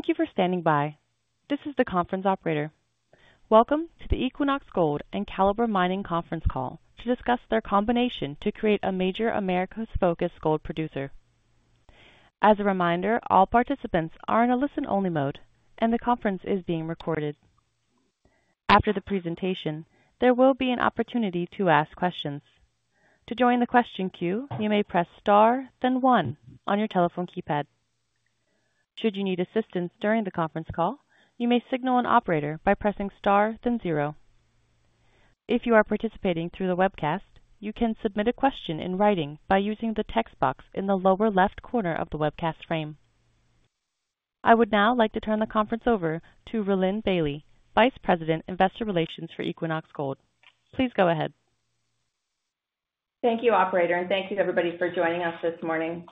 Thank you for standing by. This is the conference operator. Welcome to the Equinox Gold and Calibre Mining Conference Call to discuss their combination to create a major Americas-focused gold producer. As a reminder, all participants are in a listen-only mode, and the conference is being recorded. After the presentation, there will be an opportunity to ask questions. To join the question queue, you may press star, then one on your telephone keypad. Should you need assistance during the conference call, you may signal an operator by pressing star, then zero. If you are participating through the webcast, you can submit a question in writing by using the text box in the lower left corner of the webcast frame. I would now like to turn the conference over to Rhylin Bailie, Vice President, Investor Relations for Equinox Gold. Please go ahead. Thank you, operator, and thank you, everybody, for joining us this morning.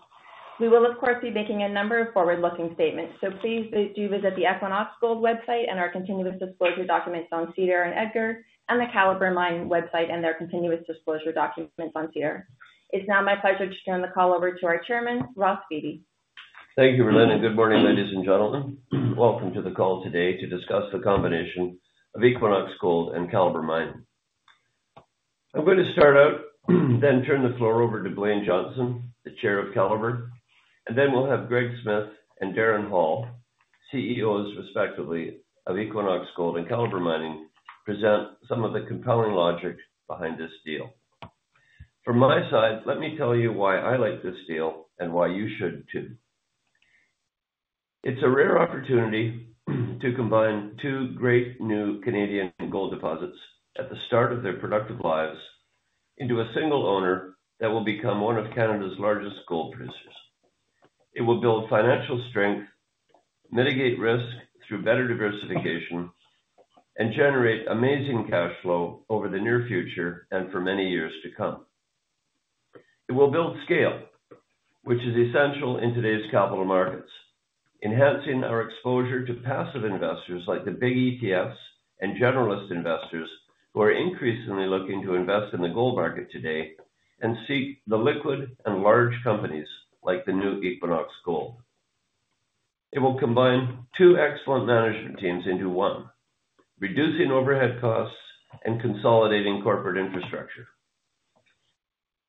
We will, of course, be making a number of forward-looking statements, so please do visit the Equinox Gold website and our continuous disclosure documents on SEDAR and EDGAR, and the Calibre Mining website and their continuous disclosure documents on SEDAR. It's now my pleasure to turn the call over to our Chairman, Ross Beaty. Thank you, Rhylin. Good morning, ladies and gentlemen. Welcome to the call today to discuss the combination of Equinox Gold and Calibre Mining. I'm going to start out, then turn the floor over to Blayne Johnson, the Chair of Calibre, and then we'll have Greg Smith and Darren Hall, CEOs, respectively, of Equinox Gold and Calibre Mining, present some of the compelling logic behind this deal. From my side, let me tell you why I like this deal and why you should, too. It's a rare opportunity to combine two great new Canadian gold deposits at the start of their productive lives into a single owner that will become one of Canada's largest gold producers. It will build financial strength, mitigate risk through better diversification, and generate amazing cash flow over the near future and for many years to come. It will build scale, which is essential in today's capital markets, enhancing our exposure to passive investors like the big ETFs and generalist investors who are increasingly looking to invest in the gold market today and seek the liquid and large companies like the new Equinox Gold. It will combine two excellent management teams into one, reducing overhead costs and consolidating corporate infrastructure.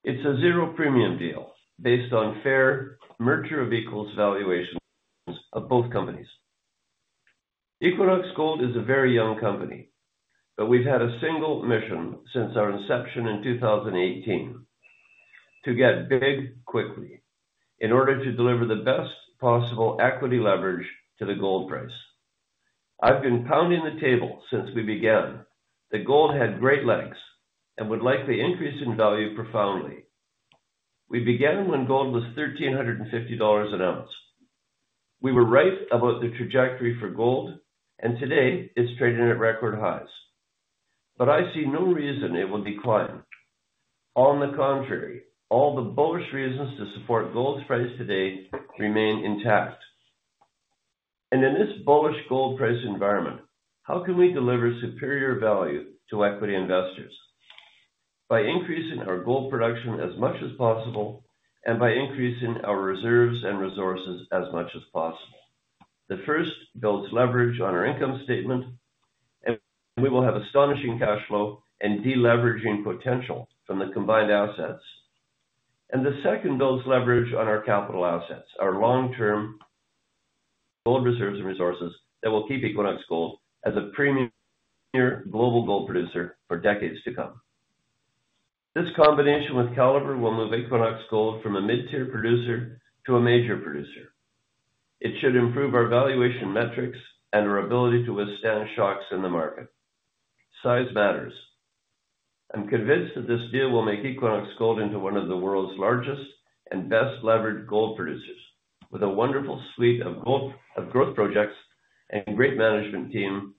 It's a zero premium deal based on fair merger of equals valuations of both companies. Equinox Gold is a very young company, but we've had a single mission since our inception in 2018: to get big quickly in order to deliver the best possible equity leverage to the gold price. I've been pounding the table since we began. The gold had great legs and would likely increase in value profoundly. We began when gold was $1,350 an ounce. We were right about the trajectory for gold, and today it's trading at record highs, but I see no reason it will decline. On the contrary, all the bullish reasons to support gold's price today remain intact, and in this bullish gold price environment, how can we deliver superior value to equity investors? By increasing our gold production as much as possible and by increasing our reserves and resources as much as possible. The first builds leverage on our income statement, and we will have astonishing cash flow and deleveraging potential from the combined assets, and the second builds leverage on our capital assets, our long-term gold reserves and resources that will keep Equinox Gold as a premier global gold producer for decades to come. This combination with Calibre will move Equinox Gold from a mid-tier producer to a major producer. It should improve our valuation metrics and our ability to withstand shocks in the market. Size matters. I'm convinced that this deal will make Equinox Gold into one of the world's largest and best-leveraged gold producers, with a wonderful suite of growth projects and a great management team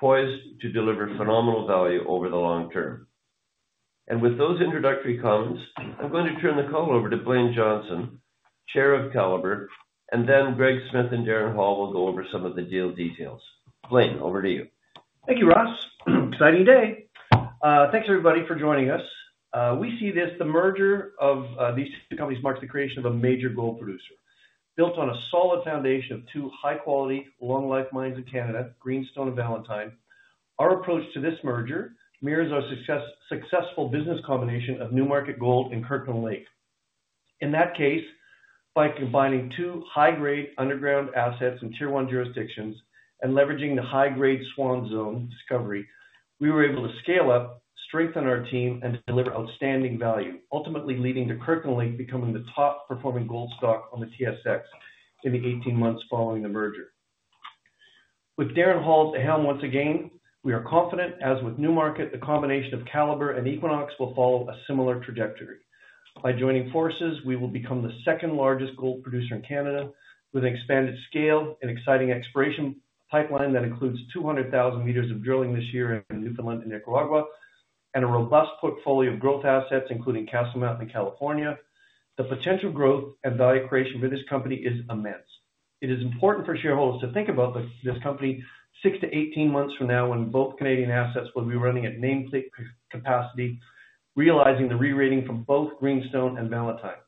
poised to deliver phenomenal value over the long-term. And with those introductory comments, I'm going to turn the call over to Blayne Johnson, Chair of Calibre, and then Greg Smith and Darren Hall will go over some of the deal details. Blayne, over to you. Thank you, Ross. Exciting day. Thanks, everybody, for joining us. We see this: the merger of these two companies marks the creation of a major gold producer built on a solid foundation of two high-quality, long-life mines in Canada, Greenstone and Valentine. Our approach to this merger mirrors our successful business combination of Newmarket Gold and Kirkland Lake. In that case, by combining two high-grade underground assets in Tier 1 jurisdictions and leveraging the high-grade Swan Zone discovery, we were able to scale up, strengthen our team, and deliver outstanding value, ultimately leading to Kirkland Lake becoming the top-performing gold stock on the TSX in the 18 months following the merger. With Darren Hall at the helm once again, we are confident, as with Newmarket, the combination of Calibre and Equinox will follow a similar trajectory. By joining forces, we will become the second-largest gold producer in Canada, with an expanded scale and exciting exploration pipeline that includes 200,000 m of drilling this year in Newfoundland and Nicaragua, and a robust portfolio of growth assets, including Castle Mountain in California. The potential growth and value creation for this company is immense. It is important for shareholders to think about this company six to 18 months from now when both Canadian assets will be running at nameplate capacity, realizing the re-rating from both Greenstone and Valentine.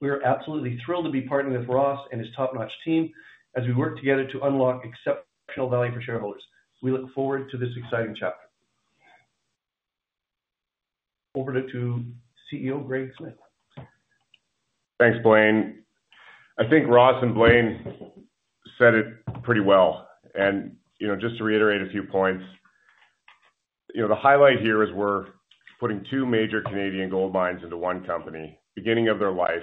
We are absolutely thrilled to be partnering with Ross and his top-notch team as we work together to unlock exceptional value for shareholders. We look forward to this exciting chapter. Over to CEO Greg Smith. Thanks, Blayne. I think Ross and Blayne said it pretty well. And just to reiterate a few points, the highlight here is we're putting two major Canadian gold mines into one company, beginning of their life.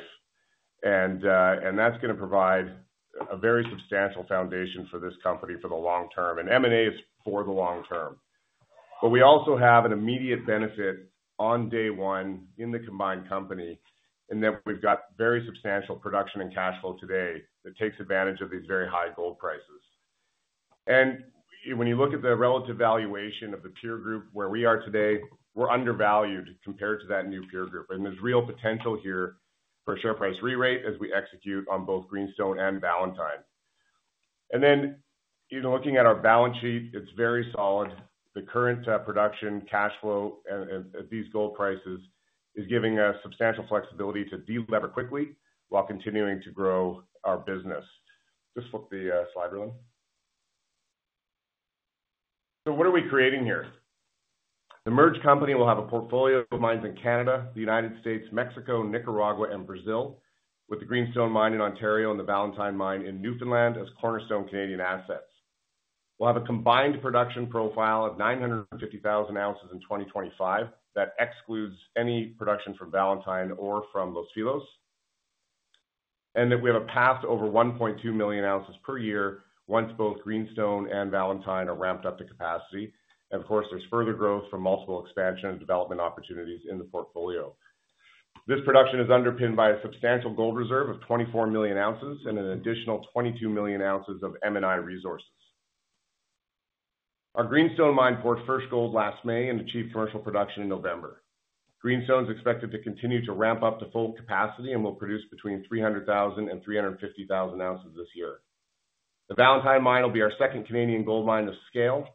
And that's going to provide a very substantial foundation for this company for the long-term. And M&A is for the long-term. But we also have an immediate benefit on day one in the combined company in that we've got very substantial production and cash flow today that takes advantage of these very high gold prices. And when you look at the relative valuation of the peer group where we are today, we're undervalued compared to that new peer group. And there's real potential here for a share price re-rate as we execute on both Greenstone and Valentine. And then even looking at our balance sheet, it's very solid. The current production, cash flow, and these gold prices are giving us substantial flexibility to delever quickly while continuing to grow our business. Just flip the slide, Rhylin. So what are we creating here? The merged company will have a portfolio of mines in Canada, the United States, Mexico, Nicaragua, and Brazil, with the Greenstone Mine in Ontario and the Valentine Mine in Newfoundland as cornerstone Canadian assets. We'll have a combined production profile of 950,000 ounces in 2025. That excludes any production from Valentine or from Los Filos, and that we have a path to over 1.2 million ounces per year once both Greenstone and Valentine are ramped up to capacity, and of course, there's further growth from multiple expansion and development opportunities in the portfolio. This production is underpinned by a substantial gold reserve of 24 million ounces and an additional 22 million ounces of M&I resources. Our Greenstone Mine poured first gold last May and achieved commercial production in November. Greenstone is expected to continue to ramp up to full capacity and will produce between 300,000 and 350,000 ounces this year. The Valentine Mine will be our second Canadian gold mine of scale.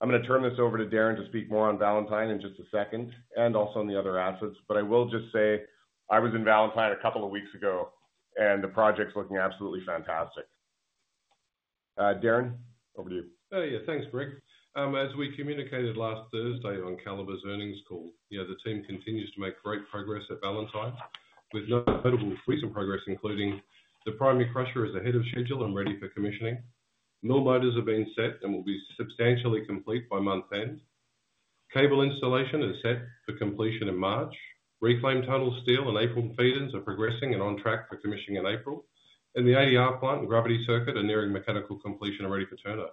I'm going to turn this over to Darren to speak more on Valentine in just a second and also on the other assets. But I will just say I was in Valentine a couple of weeks ago, and the project's looking absolutely fantastic. Darren, over to you. Yeah, thanks, Greg. As we communicated last Thursday on Calibre's earnings call, the team continues to make great progress at Valentine. We've noted recent progress, including the primary crusher is ahead of schedule and ready for commissioning. Mill motors are being set and will be substantially complete by month's end. Cable installation is set for completion in March. Reclaim tunnel steel and apron feeders are progressing and on track for commissioning in April. The ADR plant and gravity circuit are nearing mechanical completion and ready for turnover.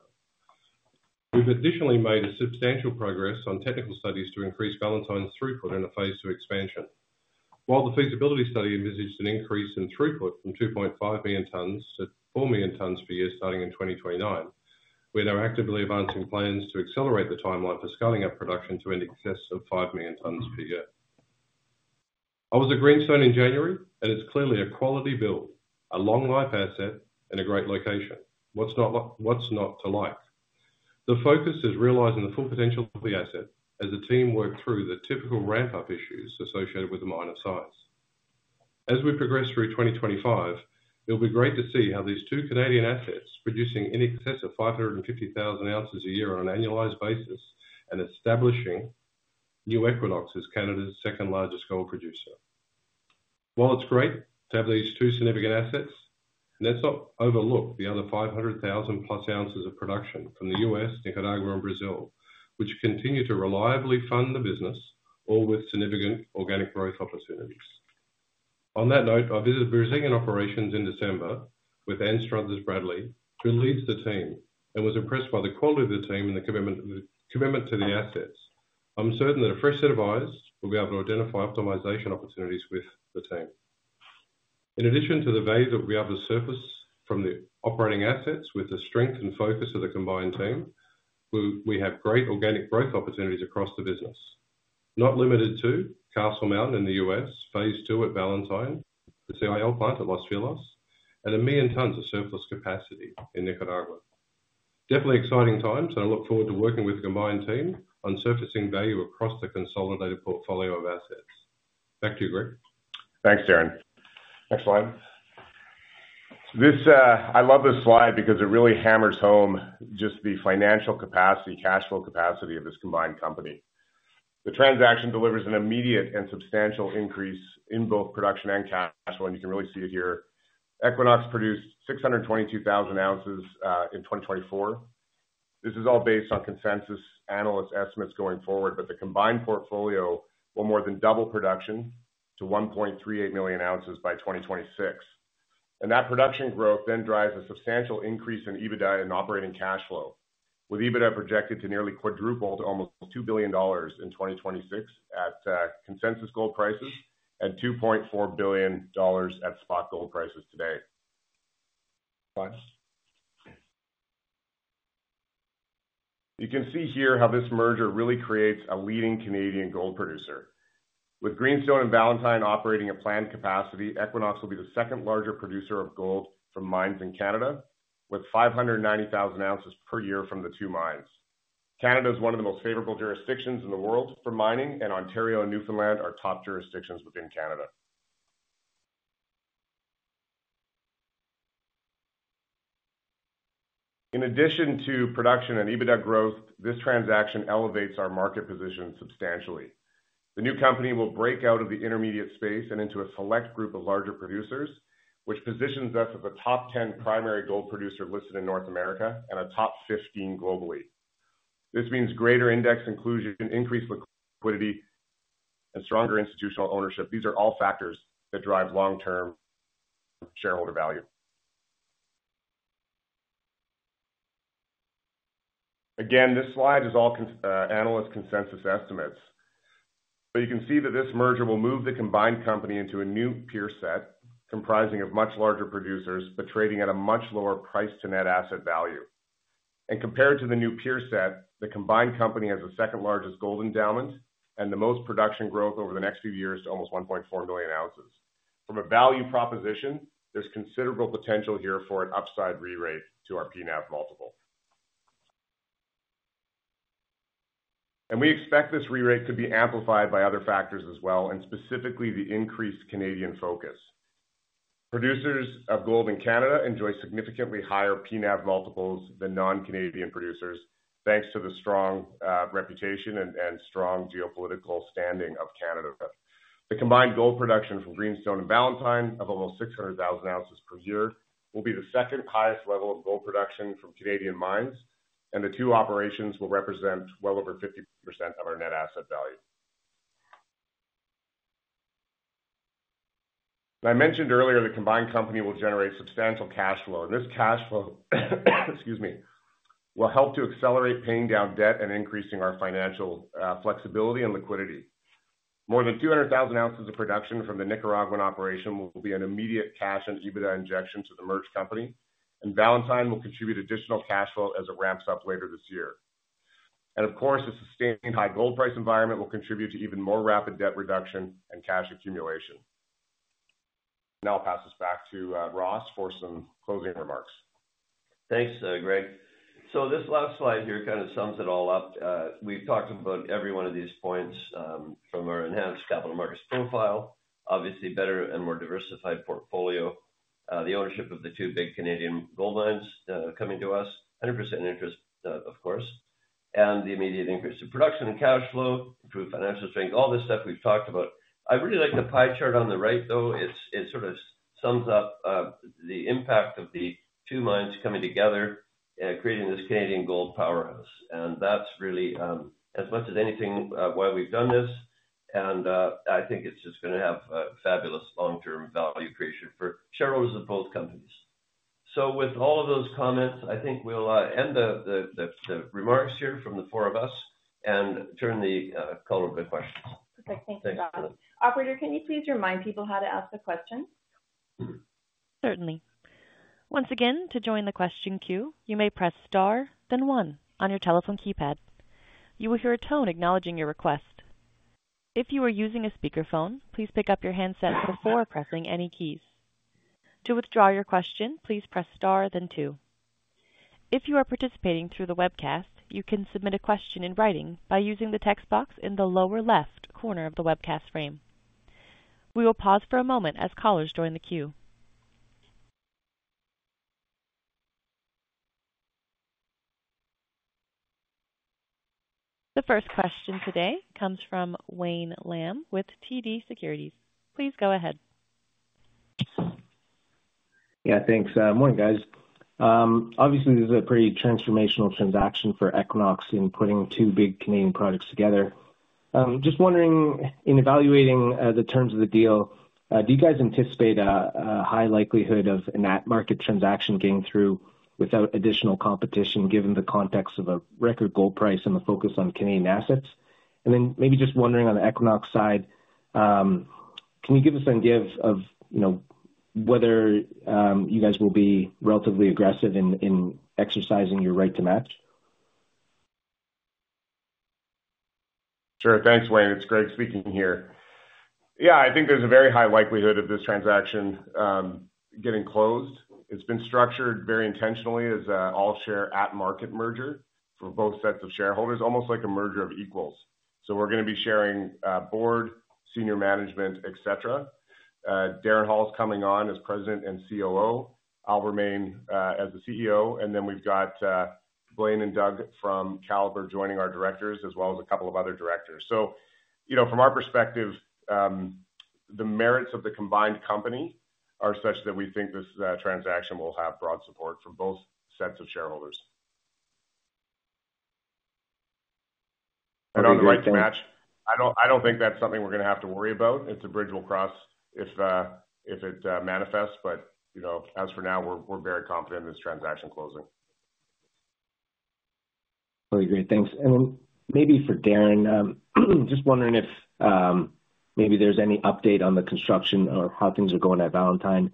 We've additionally made substantial progress on technical studies to increase Valentine's throughput in a phase II expansion. While the feasibility study envisioned an increase in throughput from 2.5 million tons to 4 million tons per year starting in 2029, we're now actively advancing plans to accelerate the timeline for scaling up production to an excess of 5 million tons per year. I was at Greenstone in January, and it's clearly a quality build, a long-life asset, and a great location. What's not to like? The focus is realizing the full potential of the asset as the team work through the typical ramp-up issues associated with the mine of size. As we progress through 2025, it'll be great to see how these two Canadian assets are producing in excess of 550,000 ounces a year on an annualized basis and establishing New Equinox as Canada's second-largest gold producer. While it's great to have these two significant assets, let's not overlook the other 500,000+ ounces of production from the U.S., Nicaragua, and Brazil, which continue to reliably fund the business, all with significant organic growth opportunities. On that note, I visited Brazilian operations in December with Anne Struthers-Bradley, who leads the team, and was impressed by the quality of the team and the commitment to the assets. I'm certain that a fresh set of eyes will be able to identify optimization opportunities with the team. In addition to the value that we'll be able to surface from the operating assets with the strength and focus of the combined team, we have great organic growth opportunities across the business, not limited to Castle Mountain in the U.S., phase II at Valentine, the CIL plant at Los Filos, and 1 million tons of surplus capacity in Nicaragua. Definitely exciting times, and I look forward to working with the combined team on surfacing value across the consolidated portfolio of assets. Back to you, Greg. Thanks, Darren. Next slide. I love this slide because it really hammers home just the financial capacity, cash flow capacity of this combined company. The transaction delivers an immediate and substantial increase in both production and cash flow, and you can really see it here. Equinox produced 622,000 ounces in 2024. This is all based on consensus analysts' estimates going forward, but the combined portfolio will more than double production to 1.38 million ounces by 2026, and that production growth then drives a substantial increase in EBITDA and operating cash flow, with EBITDA projected to nearly quadruple to almost $2 billion in 2026 at consensus gold prices and $2.4 billion at spot gold prices today. You can see here how this merger really creates a leading Canadian gold producer. With Greenstone and Valentine operating at planned capacity, Equinox will be the second-largest producer of gold from mines in Canada, with 590,000 ounces per year from the two mines. Canada is one of the most favorable jurisdictions in the world for mining, and Ontario and Newfoundland are top jurisdictions within Canada. In addition to production and EBITDA growth, this transaction elevates our market position substantially. The new company will break out of the intermediate space and into a select group of larger producers, which positions us as a top 10 primary gold producer listed in North America and a top 15 globally. This means greater index inclusion, increased liquidity, and stronger institutional ownership. These are all factors that drive long-term shareholder value. Again, this slide is all analyst consensus estimates. But you can see that this merger will move the combined company into a new peer set comprising of much larger producers but trading at a much lower price-to-net asset value. And compared to the new peer set, the combined company has a second-largest gold endowment and the most production growth over the next few years to almost 1.4 million ounces. From a value proposition, there's considerable potential here for an upside re-rate to our PNAV multiple. And we expect this re-rate could be amplified by other factors as well, and specifically the increased Canadian focus. Producers of gold in Canada enjoy significantly higher PNAV multiples than non-Canadian producers, thanks to the strong reputation and strong geopolitical standing of Canada. The combined gold production from Greenstone and Valentine of almost 600,000 ounces per year will be the second highest level of gold production from Canadian mines, and the two operations will represent well over 50% of our net asset value. I mentioned earlier the combined company will generate substantial cash flow, and this cash flow, excuse me, will help to accelerate paying down debt and increasing our financial flexibility and liquidity. More than 200,000 ounces of production from the Nicaraguan operation will be an immediate cash and EBITDA injection to the merged company, and Valentine will contribute additional cash flow as it ramps up later this year, and of course, a sustained high gold price environment will contribute to even more rapid debt reduction and cash accumulation. Now I'll pass this back to Ross for some closing remarks. Thanks, Greg. So this last slide here kind of sums it all up. We've talked about every one of these points from our enhanced capital markets profile, obviously better and more diversified portfolio, the ownership of the two big Canadian gold mines coming to us, 100% interest, of course, and the immediate increase in production and cash flow, improved financial strength, all this stuff we've talked about. I really like the pie chart on the right, though. It sort of sums up the impact of the two mines coming together and creating this Canadian gold powerhouse. And that's really as much as anything why we've done this. And I think it's just going to have fabulous long-term value creation for shareholders of both companies. So with all of those comments, I think we'll end the remarks here from the four of us and turn the call over to questions. Perfect. Thank you, Ross. Operator, can you please remind people how to ask the question? Certainly. Once again, to join the question queue, you may press star, then one on your telephone keypad. You will hear a tone acknowledging your request. If you are using a speakerphone, please pick up your handset before pressing any keys. To withdraw your question, please press star, then two. If you are participating through the webcast, you can submit a question in writing by using the text box in the lower left corner of the webcast frame. We will pause for a moment as callers join the queue. The first question today comes from Wayne Lam with TD Securities. Please go ahead. Yeah, thanks. Morning, guys. Obviously, this is a pretty transformational transaction for Equinox in putting two big Canadian products together. Just wondering, in evaluating the terms of the deal, do you guys anticipate a high likelihood of a Newmarket transaction getting through without additional competition given the context of a record gold price and the focus on Canadian assets? And then maybe just wondering on the Equinox side, can you give us an idea of whether you guys will be relatively aggressive in exercising your right to match? Sure. Thanks, Wayne. It's Greg speaking here. Yeah, I think there's a very high likelihood of this transaction getting closed. It's been structured very intentionally as an all-share at-market merger for both sets of shareholders, almost like a merger of equals. So we're going to be sharing board, senior management, etc. Darren Hall is coming on as President and COO. I'll remain as the CEO. And then we've got Blayne and Doug from Calibre joining our directors, as well as a couple of other directors. So from our perspective, the merits of the combined company are such that we think this transaction will have broad support from both sets of shareholders. And on the right to match, I don't think that's something we're going to have to worry about. It's a bridge we'll cross if it manifests. But as for now, we're very confident in this transaction closing. Totally agree. Thanks. And then maybe for Darren, just wondering if maybe there's any update on the construction or how things are going at Valentine.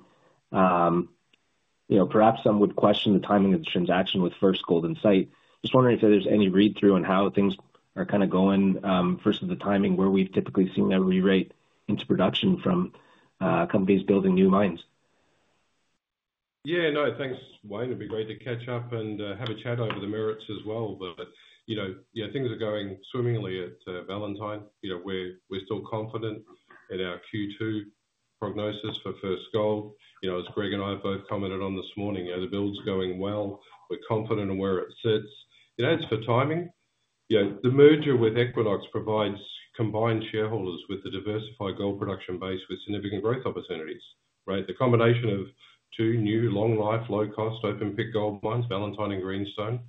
Perhaps some would question the timing of the transaction with first gold in sight. Just wondering if there's any read-through on how things are kind of going versus the timing where we've typically seen that re-rate into production from companies building new mines. Yeah, no, thanks, Wayne. It'd be great to catch up and have a chat over the merits as well, but things are going swimmingly at Valentine. We're still confident in our Q2 projection for first gold. As Greg and I have both commented on this morning, the build's going well. We're confident in where it sits, and as for timing, the merger with Equinox provides combined shareholders with a diversified gold production base with significant growth opportunities, right? The combination of two new long-life, low-cost, open-pit gold mines, Valentine and Greenstone,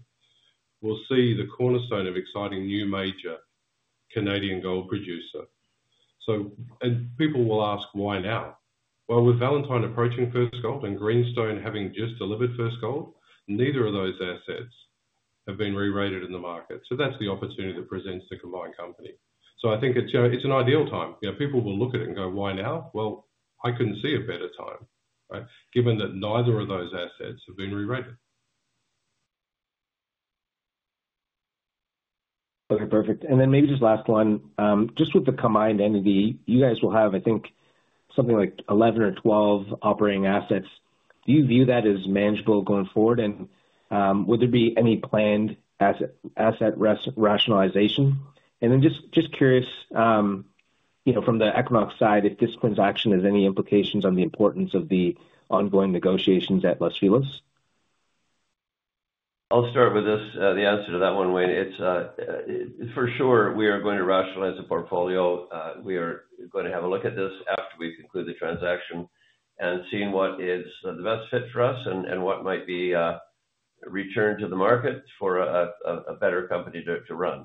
will be the cornerstone of exciting new major Canadian gold producer. And people will ask, why now? With Valentine approaching first gold and Greenstone having just delivered first gold, neither of those assets have been re-rated in the market, so that's the opportunity that presents the combined company. I think it's an ideal time. People will look at it and go, why now? Well, I couldn't see a better time, given that neither of those assets have been re-rated. Okay, perfect. And then maybe just last one. Just with the combined entity, you guys will have, I think, something like 11 or 12 operating assets. Do you view that as manageable going forward? And would there be any planned asset rationalization? And then just curious, from the Equinox side, if this transaction has any implications on the importance of the ongoing negotiations at Los Filos? I'll start with this, the answer to that one, Wayne. For sure, we are going to rationalize the portfolio. We are going to have a look at this after we conclude the transaction and see what is the best fit for us and what might be returned to the market for a better company to run.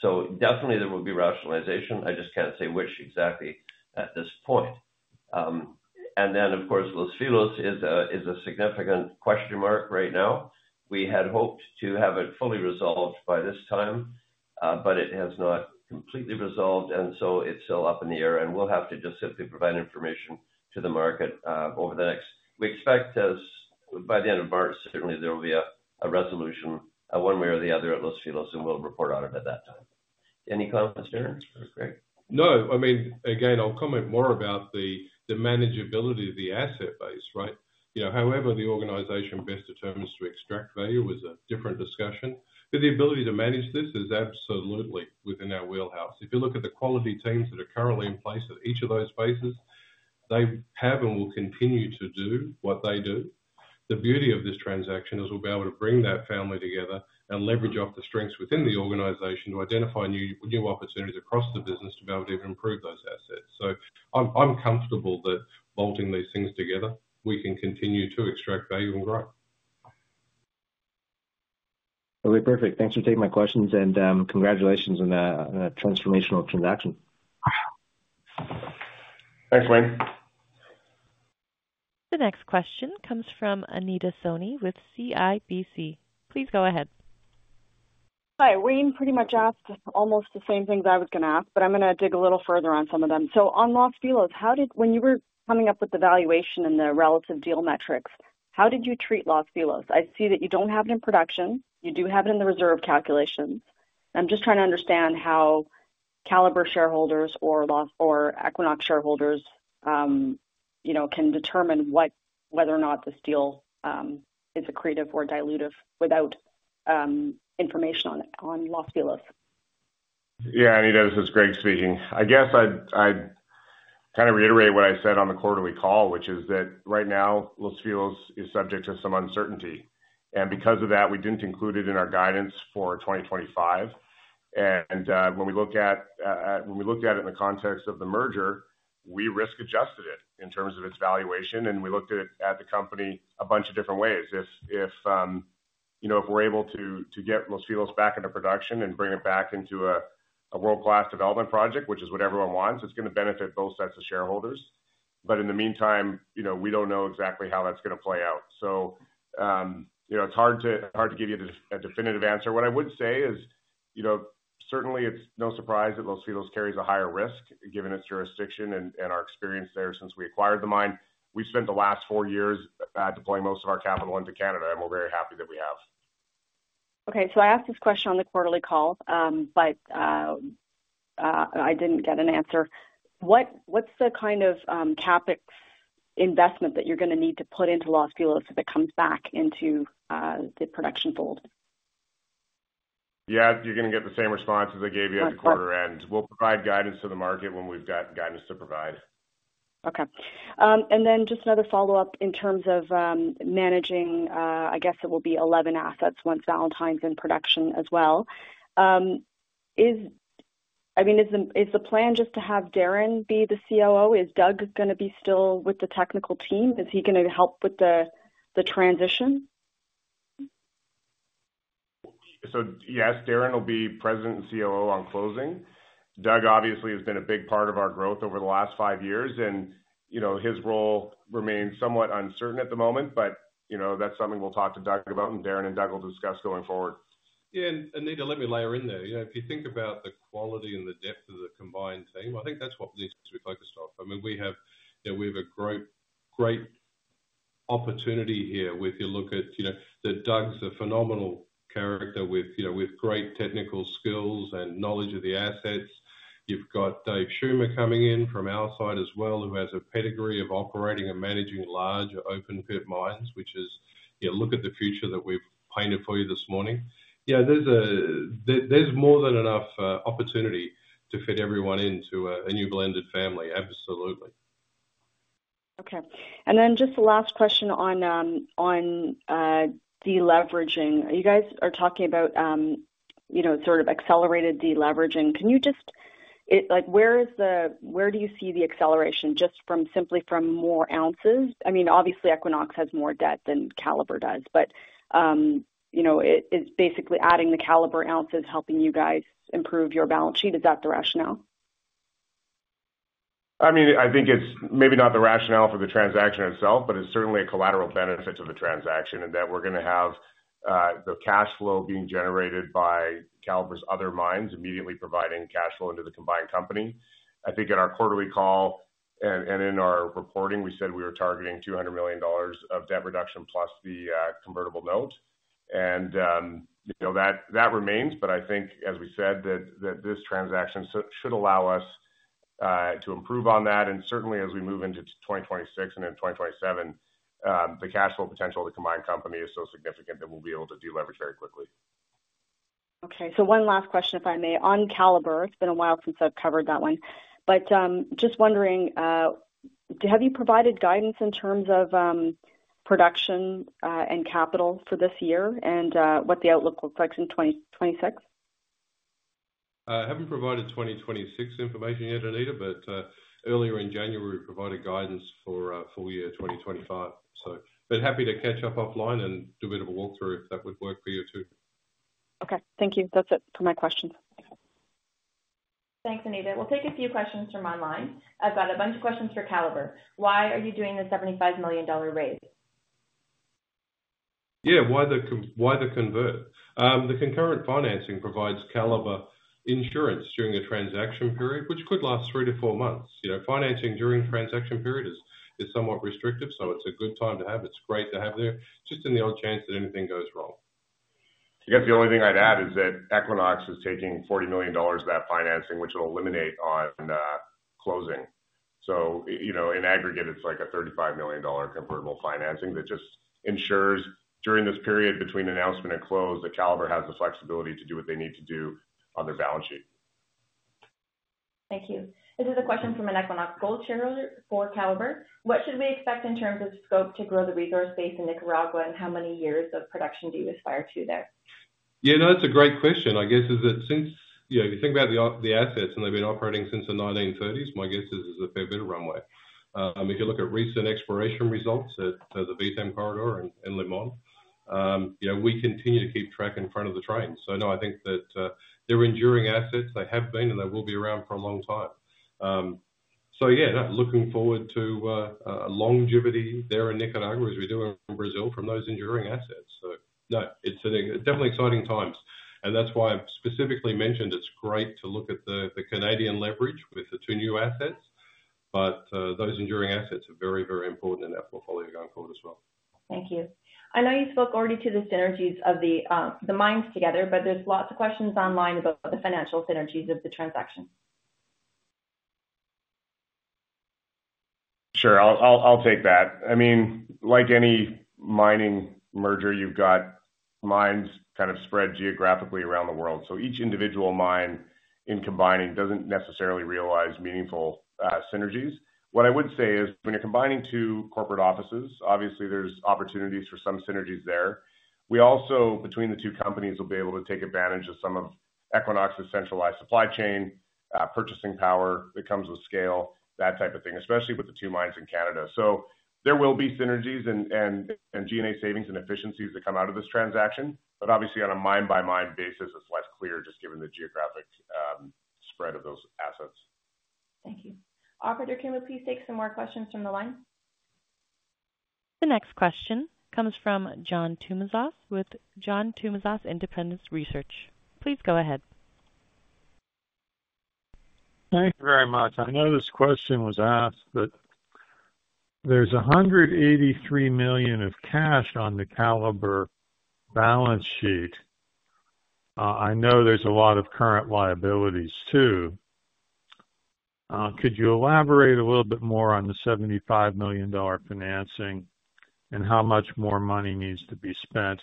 So definitely there will be rationalization. I just can't say which exactly at this point. And then, of course, Los Filos is a significant question mark right now. We had hoped to have it fully resolved by this time, but it has not completely resolved, and so it's still up in the air. We'll have to just simply provide information to the market over the next we expect by the end of March. Certainly there will be a resolution one way or the other at Los Filos, and we'll report on it at that time. Any comments, Darren? No, I mean, again, I'll comment more about the manageability of the asset base, right? However the organization best determines to extract value is a different discussion. But the ability to manage this is absolutely within our wheelhouse. If you look at the quality teams that are currently in place at each of those bases, they have and will continue to do what they do. The beauty of this transaction is we'll be able to bring that family together and leverage off the strengths within the organization to identify new opportunities across the business to be able to even improve those assets. So I'm comfortable that bolting these things together, we can continue to extract value and grow. Totally perfect. Thanks for taking my questions, and congratulations on a transformational transaction. Thanks, Wayne. The next question comes from Anita Soni with CIBC. Please go ahead. Hi, Wayne pretty much asked almost the same things I was going to ask, but I'm going to dig a little further on some of them. So on Los Filos, when you were coming up with the valuation and the relative deal metrics, how did you treat Los Filos? I see that you don't have it in production. You do have it in the reserve calculations. I'm just trying to understand how Calibre shareholders or Equinox shareholders can determine whether or not this deal is accretive or dilutive without information on Los Filos. Yeah, Anita, this is Greg speaking. I guess I'd kind of reiterate what I said on the quarterly call, which is that right now, Los Filos is subject to some uncertainty, and because of that, we didn't include it in our guidance for 2025, and when we looked at it in the context of the merger, we risk-adjusted it in terms of its valuation, and we looked at the company a bunch of different ways. If we're able to get Los Filos back into production and bring it back into a world-class development project, which is what everyone wants, it's going to benefit both sets of shareholders, but in the meantime, we don't know exactly how that's going to play out, so it's hard to give you a definitive answer. What I would say is certainly it's no surprise that Los Filos carries a higher risk given its jurisdiction and our experience there since we acquired the mine. We've spent the last four years deploying most of our capital into Canada, and we're very happy that we have. Okay, so I asked this question on the quarterly call, but I didn't get an answer. What's the kind of CapEx investment that you're going to need to put into Los Filos if it comes back into the production fold? Yeah, you're going to get the same response as I gave you at the quarter end. We'll provide guidance to the market when we've got guidance to provide. Okay. And then just another follow-up in terms of managing, I guess it will be 11 assets once Valentine's in production as well. I mean, is the plan just to have Darren be the COO? Is Doug going to be still with the technical team? Is he going to help with the transition? So yes, Darren will be President and COO on closing. Doug obviously has been a big part of our growth over the last five years, and his role remains somewhat uncertain at the moment, but that's something we'll talk to Doug about, and Darren and Doug will discuss going forward. Yeah, and Anita, let me layer in there. If you think about the quality and the depth of the combined team, I think that's what needs to be focused on. I mean, we have a great opportunity here with your look at Doug's a phenomenal character with great technical skills and knowledge of the assets. You've got David Schummer coming in from our side as well, who has a pedigree of operating and managing large open-pit mines, which is, look at the future that we've painted for you this morning. Yeah, there's more than enough opportunity to fit everyone into a new blended family. Absolutely. Okay. And then just the last question on deleveraging. You guys are talking about sort of accelerated deleveraging. Can you just, where do you see the acceleration just from simply from more ounces? I mean, obviously, Equinox has more debt than Calibre does, but it's basically adding the Calibre ounces, helping you guys improve your balance sheet. Is that the rationale? I mean, I think it's maybe not the rationale for the transaction itself, but it's certainly a collateral benefit to the transaction in that we're going to have the cash flow being generated by Calibre's other mines immediately providing cash flow into the combined company. I think in our quarterly call and in our reporting, we said we were targeting $200 million of debt reduction plus the convertible note, and that remains, but I think, as we said, that this transaction should allow us to improve on that, and certainly, as we move into 2026 and then 2027, the cash flow potential of the combined company is so significant that we'll be able to deleverage very quickly. Okay. So one last question, if I may. On Calibre, it's been a while since I've covered that one. But just wondering, have you provided guidance in terms of production and capital for this year and what the outlook looks like in 2026? I haven't provided 2026 information yet, Anita, but earlier in January, we provided guidance for full year 2025. But happy to catch up offline and do a bit of a walkthrough if that would work for you too. Okay. Thank you. That's it for my questions. Thanks, Anita. We'll take a few questions from online. I've got a bunch of questions for Calibre. Why are you doing the $75 million raise? Yeah, why the convert? The concurrent financing provides Calibre insurance during a transaction period, which could last three to four months. Financing during transaction period is somewhat restrictive, so it's a good time to have. It's great to have there, just in the odd chance that anything goes wrong. I guess the only thing I'd add is that Equinox is taking $40 million of that financing, which will eliminate on closing. So in aggregate, it's like a $35 million convertible financing that just ensures during this period between announcement and close, that Calibre has the flexibility to do what they need to do on their balance sheet. Thank you. This is a question from an Equinox Gold shareholder for Calibre. What should we expect in terms of scope to grow the resource base in Nicaragua, and how many years of production do you aspire to there? Yeah, no, that's a great question. I guess since you think about the assets and they've been operating since the 1930s, my guess is there's a fair bit of runway. If you look at recent exploration results at the VTEM Corridor in Limón, we continue to keep track in front of the train. So no, I think that they're enduring assets. They have been, and they will be around for a long time. So yeah, looking forward to longevity there in Nicaragua as we do in Brazil from those enduring assets. So no, it's definitely exciting times. And that's why I've specifically mentioned it's great to look at the Canadian leverage with the two new assets. But those enduring assets are very, very important in that portfolio going forward as well. Thank you. I know you spoke already to the synergies of the mines together, but there's lots of questions online about the financial synergies of the transaction. Sure, I'll take that. I mean, like any mining merger, you've got mines kind of spread geographically around the world. So each individual mine in combining doesn't necessarily realize meaningful synergies. What I would say is when you're combining two corporate offices, obviously there's opportunities for some synergies there. We also, between the two companies, will be able to take advantage of some of Equinox's centralized supply chain, purchasing power that comes with scale, that type of thing, especially with the two mines in Canada. So there will be synergies and G&A savings and efficiencies that come out of this transaction. But obviously, on a mine-by-mine basis, it's less clear just given the geographic spread of those assets. Thank you. Operator, can we please take some more questions from the line? The next question comes from John Tumazos with John Tumazos Independent Research. Please go ahead. Thank you very much. I know this question was asked, but there's $183 million of cash on the Calibre balance sheet. I know there's a lot of current liabilities too. Could you elaborate a little bit more on the $75 million financing and how much more money needs to be spent,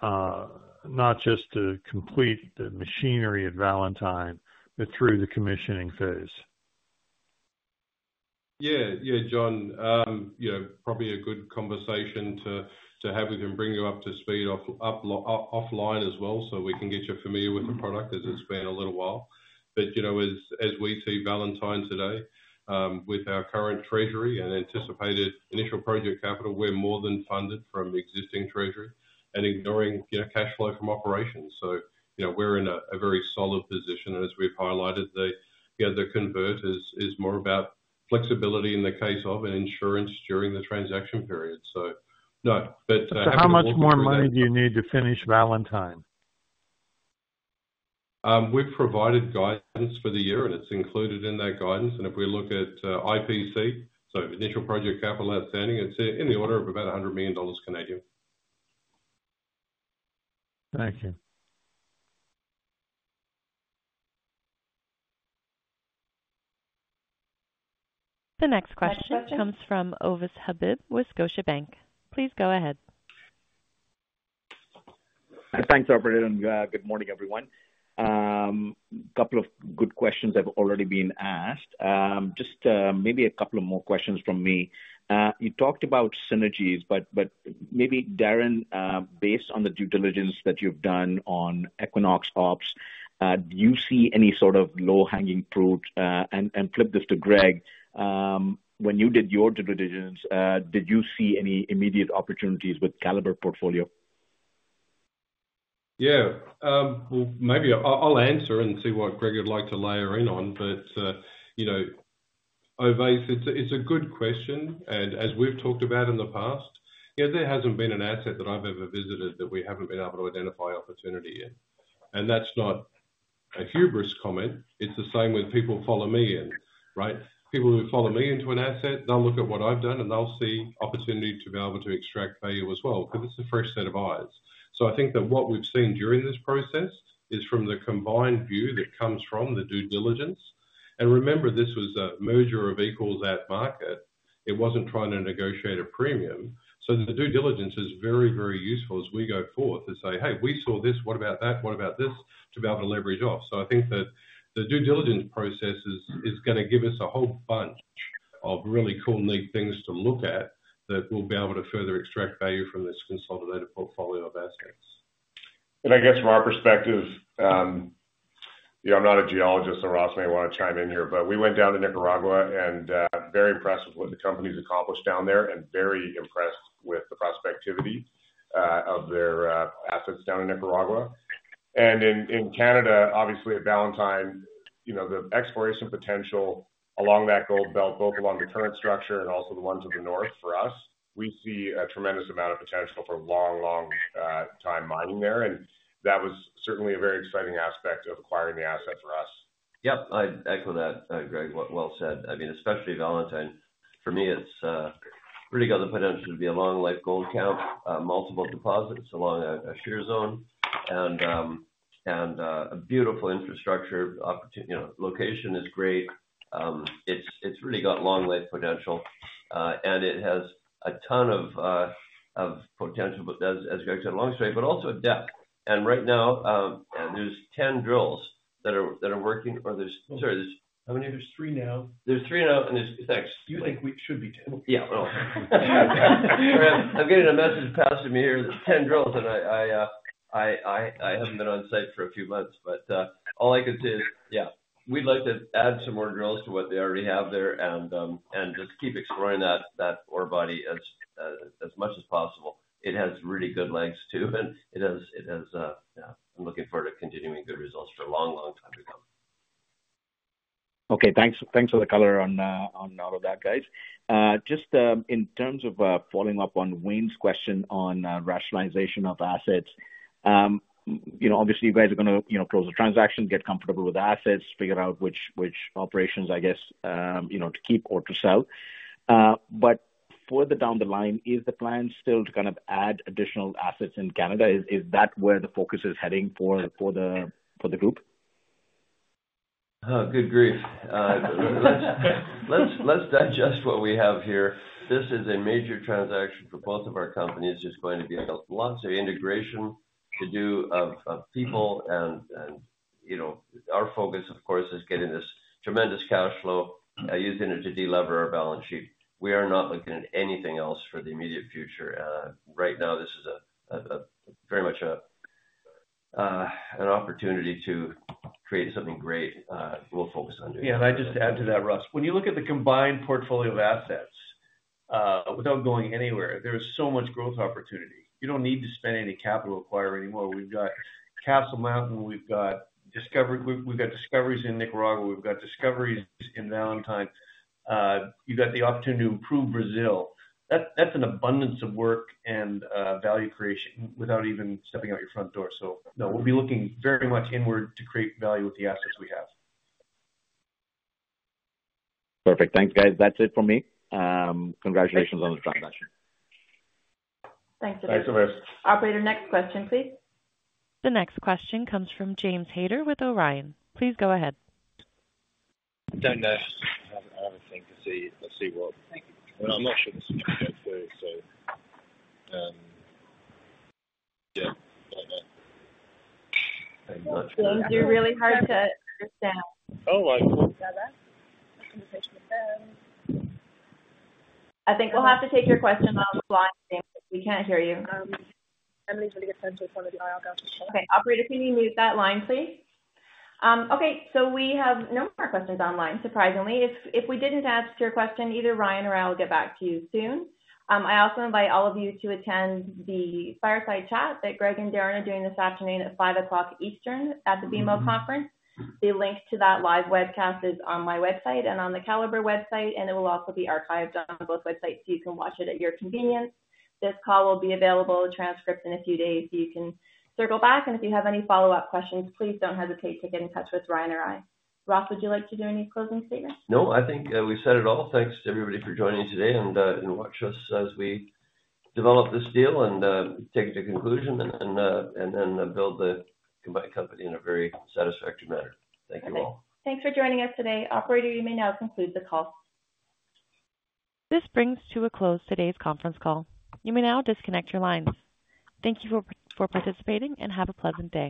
not just to complete the machinery at Valentine, but through the commissioning phase? Yeah, yeah, John, probably a good conversation to have with him, bring you up to speed offline as well so we can get you familiar with the product as it's been a little while. But as we see Valentine today, with our current treasury and anticipated initial project capital, we're more than funded from existing treasury and ignoring cash flow from operations. So we're in a very solid position. And as we've highlighted, the convert is more about flexibility in the case of and insurance during the transaction period. So no, but. So how much more money do you need to finish Valentine? We've provided guidance for the year, and it's included in that guidance. If we look at IPC, so initial project capital outstanding, it's in the order of about 100 million Canadian dollars. Thank you. The next question comes from Ovais Habib, Scotiabank. Please go ahead. Thanks, operator. Good morning, everyone. A couple of good questions have already been asked. Just maybe a couple of more questions from me. You talked about synergies, but maybe Darren, based on the due diligence that you've done on Equinox Ops, do you see any sort of low-hanging fruit, and flip this to Greg: When you did your due diligence, did you see any immediate opportunities with Calibre portfolio? Yeah. Well, maybe I'll answer and see what Greg would like to layer in on. But Ovais, it's a good question. And as we've talked about in the past, there hasn't been an asset that I've ever visited that we haven't been able to identify opportunity in. And that's not a hubris comment. It's the same with people who follow me in, right? People who follow me into an asset, they'll look at what I've done, and they'll see opportunity to be able to extract value as well because it's a fresh set of eyes. So I think that what we've seen during this process is from the combined view that comes from the due diligence. And remember, this was a merger of equals at market. It wasn't trying to negotiate a premium. So the due diligence is very, very useful as we go forward to say, "Hey, we saw this. What about that? What about this?" to be able to leverage off. So I think that the due diligence process is going to give us a whole bunch of really cool, neat things to look at that we'll be able to further extract value from this consolidated portfolio of assets. And I guess from our perspective, I'm not a geologist, so Ross may want to chime in here, but we went down to Nicaragua and very impressed with what the company's accomplished down there and very impressed with the prospectivity of their assets down in Nicaragua. In Canada, obviously, at Valentine, the exploration potential along that gold belt, both along the current structure and also the ones in the north for us, we see a tremendous amount of potential for long, long-time mining there. That was certainly a very exciting aspect of acquiring the asset for us. Yep. I'd echo that, Greg. Well said. I mean, especially Valentine. For me, it's really got the potential to be a long-life gold mine, multiple deposits along a shear zone, and a beautiful infrastructure location is great. It's really got long-life potential, and it has a ton of potential, as Greg said, along strike, but also depth. And right now, there's 10 drills that are working, or there's, sorry, there's how many? There's three now. There's three now, and there's thanks. You think we should be 10? Yeah. I'm getting a message passed to me here that 10 drills, and I haven't been on site for a few months. But all I can say is, yeah, we'd like to add some more drills to what they already have there and just keep exploring that ore body as much as possible. It has really good lengths too, and it has, yeah, I'm looking forward to continuing good results for a long, long time to come. Okay. Thanks for the color on all of that, guys. Just in terms of following up on Wayne's question on rationalization of assets, obviously, you guys are going to close the transaction, get comfortable with the assets, figure out which operations, I guess, to keep or to sell. But further down the line, is the plan still to kind of add additional assets in Canada? Is that where the focus is heading for the group? Good grief. Let's digest what we have here. This is a major transaction for both of our companies, just going to be lots of integration to do of people, and our focus, of course, is getting this tremendous cash flow, using it to deleverage our balance sheet. We are not looking at anything else for the immediate future. Right now, this is very much an opportunity to create something great. We'll focus on doing that. Yeah. And I'd just add to that, Ross. When you look at the combined portfolio of assets, without going anywhere, there is so much growth opportunity. You don't need to spend any capital acquiring anymore. We've got Castle Mountain. We've got discoveries in Nicaragua. We've got discoveries in Valentine. You've got the opportunity to improve Brazil. That's an abundance of work and value creation without even stepping out your front door. So no, we'll be looking very much inward to create value with the assets we have. Perfect. Thanks, guys. That's it for me. Congratulations on the transaction. Thanks, Ovais. Thanks, Ovais. Operator, next question, please. The next question comes from James. Please go ahead. I don't know. I haven't seen what. I'm not sure this is going to go through, so. Yeah, I don't know. James is really hard to understand. Oh, I thought. I think we'll have to take your question offline, James. We can't hear you. Emily's really good friends with one of the IR guys. Okay. Operator, can you mute that line, please? Okay. So we have no more questions online, surprisingly. If we didn't ask your question, either Ryan or I will get back to you soon. I also invite all of you to attend the fireside chat that Greg and Darren are doing this afternoon at 5:00 P.M. Eastern at the BMO Conference. The link to that live webcast is on my website and on the Calibre website, and it will also be archived on both websites so you can watch it at your convenience. This call will be available, transcript in a few days, so you can circle back. And if you have any follow-up questions, please don't hesitate to get in touch with Ryan or I. Ross, would you like to do any closing statements? No, I think we've said it all. Thanks to everybody for joining today and watching us as we develop this deal and take it to conclusion and then build the combined company in a very satisfactory manner. Thank you all. Thanks for joining us today. Operator, you may now conclude the call. This brings to a close today's conference call. You may now disconnect your lines. Thank you for participating and have a pleasant day.